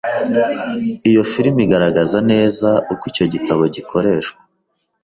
Iyo film igaragaza neza uko icyo gitabo gikoreshwa